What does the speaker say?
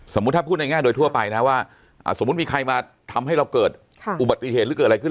ถ้าพูดในแง่โดยทั่วไปนะว่าสมมุติมีใครมาทำให้เราเกิดอุบัติเหตุหรือเกิดอะไรขึ้น